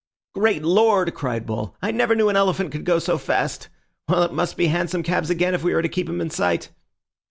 "Great Lord!" cried Bull, "I never knew an elephant could go so fast. Well, it must be hansom cabs again if we are to keep him in sight."